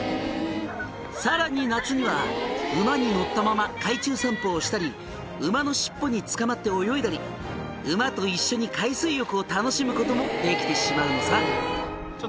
「さらに夏には馬に乗ったまま海中散歩をしたり馬の尻尾につかまって泳いだり馬と一緒に海水浴を楽しむこともできてしまうのさ」